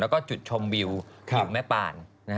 แล้วก็จุดชมวิวกิวแม่ปาน